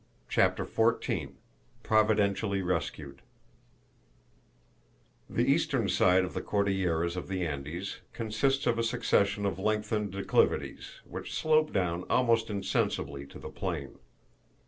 CHAPTER XIV PROVIDENTIALLY RESCUED THE eastern side of the Cordilleras of the Andes consists of a succession of lengthened declivities, which slope down almost insensibly to the plain.